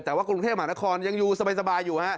แต่ว่ากรุงเทพมหานครยังอยู่สบายอยู่ฮะ